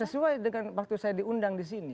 sesuai dengan waktu saya diundang di sini